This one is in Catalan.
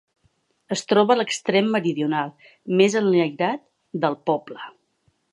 Es troba a l'extrem meridional, més enlairat, del poble.